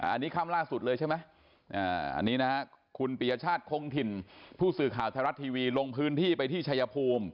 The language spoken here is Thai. อันนี้ค่ำล่าสุดเลยใช่ไหมอันนี้นะฮะคุณปียชาติคงถิ่นผู้สื่อข่าวไทยรัฐทีวีลงพื้นที่ไปที่ชายภูมิ